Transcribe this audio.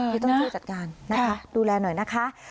ที่ต้องช่วยจัดการนะคะดูแลหน่อยนะคะ